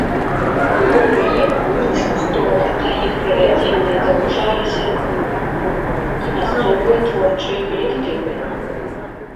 Было прыемна, што да іх правядзення далучаліся і мясцовыя творчыя калектывы.